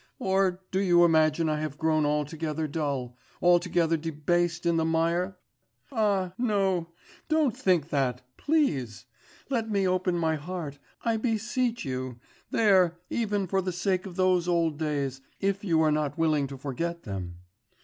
Or do you imagine I have grown altogether dull altogether debased in the mire? Ah, no, don't think that, please! Let me open my heart, I beseech you there even for the sake of those old days, if you are not willing to forget them.